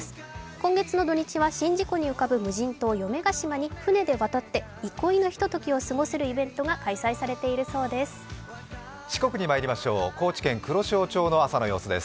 今月の土・日は宍道湖に浮かぶ無人島に船で渡って憩いのひとときを過ごすイベントが開催されているようです。